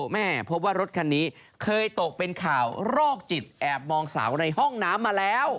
แม่พบว่ารถคันนี้เคยตกเป็นข่าวโรคจิตแอบมองเสาในห้องน้ำมาแล้ว